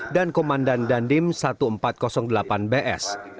dan komandan dandim seribu empat ratus delapan bs